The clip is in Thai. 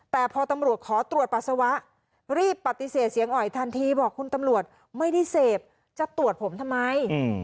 แต่พอตำรวจขอตรวจปัสสาวะรีบปฏิเสธเสียงอ่อยทันทีบอกคุณตำรวจไม่ได้เสพจะตรวจผมทำไม